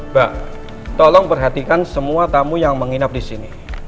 mbak tolong perhatikan semua tamu yang menginap di sini